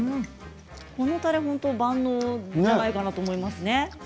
このたれは本当に万能なんじゃないかなと思いますね。